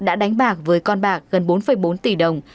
đã đánh bạc với con bạc gần bốn bốn tỷ đồng